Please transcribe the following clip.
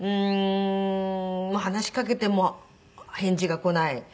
話しかけても返事がこない。